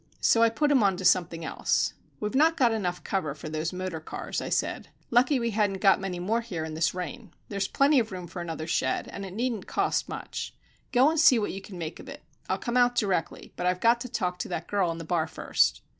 So I put him on to something else. "We've not got enough cover for those motor cars," I said. "Lucky we hadn't got many here in this rain. There's plenty of room for another shed, and it needn't cost much. Go and see what you can make of it. I'll come out directly, but I've got to talk to that girl in the bar first."